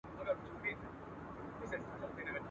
یا به نن یا به سباوي زه ورځمه.